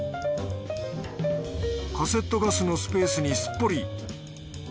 カセットガスのスペースにすっぽり。